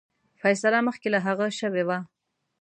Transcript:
فیصله مخکي له هغه شوې وه.